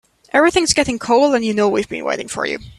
Everything's getting cold and you know we've been waiting for you.